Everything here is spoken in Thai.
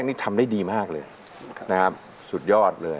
คนที่รอคอย